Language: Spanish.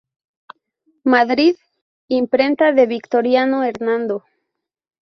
Madrid: Imprenta de Victoriano Hernando.